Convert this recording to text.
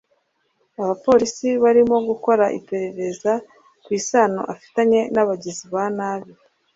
abapolisi barimo gukora iperereza ku isano afitanye n'abagizi ba nabi